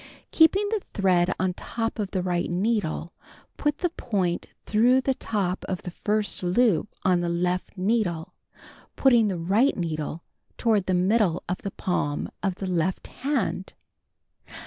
Keeping the thr( ad on top of the right needle put the point through the top of the first loop on the left needle, pointing the right needle toward the middle of the palm of the left hand.